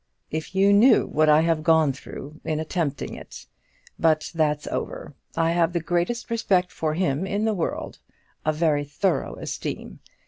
If you knew what I have gone through in attempting it! But that's over. I have the greatest respect for him in the world; a very thorough esteem.